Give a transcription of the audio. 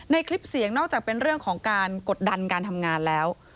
คลิปเสียงนอกจากเป็นเรื่องของการกดดันการทำงานแล้ว